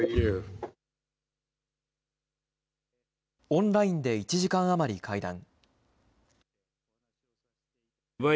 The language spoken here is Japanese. オンラインで１時間余り会談。